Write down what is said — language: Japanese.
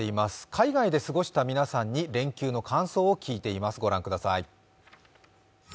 海外で過ごした皆さんに連休の感想を聞いています。